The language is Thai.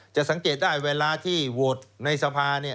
สังเกตได้เวลาที่โหวตในสภา